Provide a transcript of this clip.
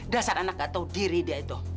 dasar anak nggak tahu diri dia itu